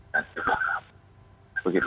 dan juga begitu